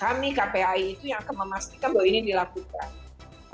kami kpai itu yang akan memastikan bahwa ini dilakukan